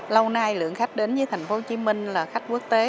lâu nay lượng khách đến với thành phố hồ chí minh là khách quốc tế